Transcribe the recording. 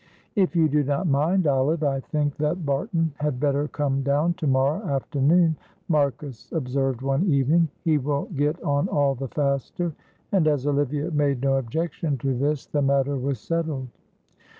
"If you do not mind, Olive, I think that Barton had better come down to morrow afternoon," Marcus observed one evening. "He will get on all the faster." And as Olivia made no objection to this the matter was settled.